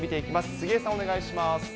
杉江さん、お願いします。